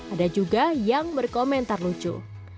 ada juga yang berkomentar lucu